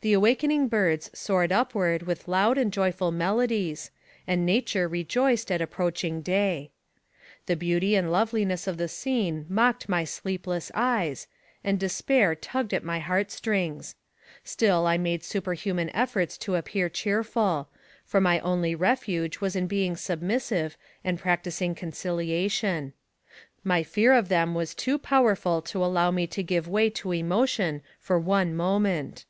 The awakening birds soared upward with loud and joyful melodies, a ad nature rejoiced at approaching day. The beauty and loveliness of the scene mocked my sleepless eyes, and despair tugged at my heart strings; 52 NARRATIVE OF CAPTIVITY still I made superhuman efforts to appear cheerful, for my only refuge was in being submissive and practicing conciliation. My fear of them was too powerful to allow me to give way to emotion for one moment.